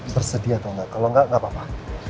tersedia atau enggak kalau enggak enggak apa apa